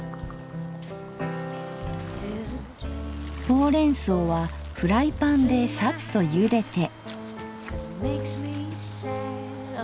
ほうれんそうはフライパンでさっとゆでて。